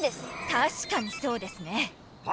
たしかにそうですね。